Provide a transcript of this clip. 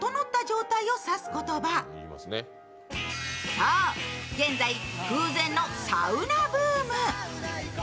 そう、現在、空前のサウナブーム。